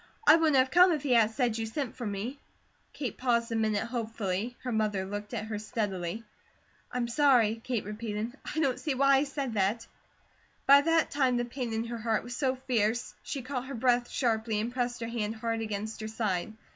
I wouldn't have come if he hadn't said you sent for me." Kate paused a minute hopefully. Her mother looked at her steadily. "I'm sorry," Kate repeated. "I don't know why he said that." By that time the pain in her heart was so fierce she caught her breath sharply, and pressed her hand hard against her side.